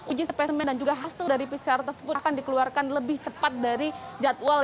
uji spesimen dan juga hasil dari pcr tersebut akan dikeluarkan lebih cepat dari jadwal